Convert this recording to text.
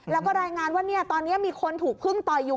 แล้วก็รายงานว่าตอนนี้มีคนถูกพึ่งต่อยอยู่